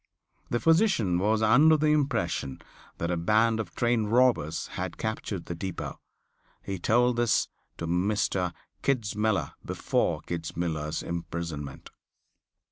The physician was under the impression that a band of train robbers had captured the depot. He told this to Mr. Kitzmiller before Kitzmiller's imprisonment.